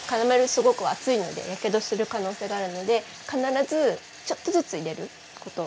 すごく熱いのでやけどする可能性があるので必ずちょっとずつ入れること。